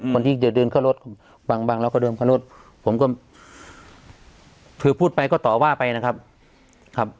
คนที่จะเดินเข้ารถบังบางแล้วก็เดินเข้ารถผมก็คือพูดไปก็ต่อว่าไปนะครับครับ